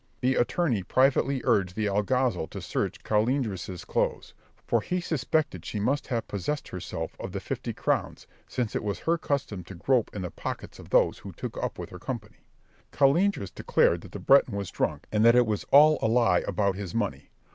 The attorney privately urged the alguazil to search Colindres' clothes, for he suspected she must have possessed herself of the fifty crowns, since it was her custom to grope in the pockets of those who took up with her company. Colindres declared that the Breton was drunk, and that it was all a lie about his money.